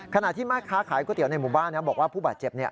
ขณะที่แม่ค้าขายก๋วเตี๋ยในหมู่บ้านบอกว่าผู้บาดเจ็บ